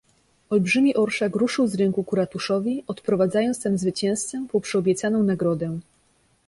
"Olbrzymi orszak ruszył z rynku ku ratuszowi, odprowadzając tam zwycięzcę po przyobiecaną nagrodę."